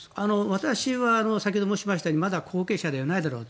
私は先ほど申しましたようにまだ後継者じゃないだろうと。